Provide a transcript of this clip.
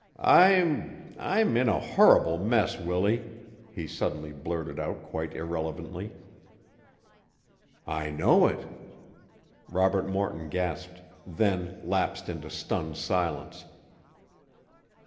"I'm I'm in a horrible mess, Willie," he suddenly blurted out quite irrelevently. "I know it." Robert Morton gasped, then lapsed into stunned silence.